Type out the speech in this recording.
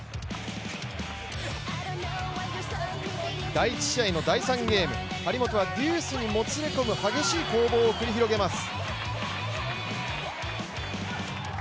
第１試合の第３ゲーム、張本はデュースにもつれ込む激しい攻防を繰り広げます。